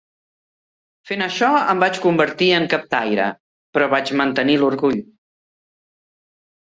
Fent això, em vaig convertir en captaire, però vaig mantenir l'orgull.